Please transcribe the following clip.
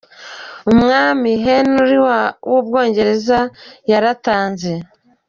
Umwami Henry wa w’ubwongereza yaratanze.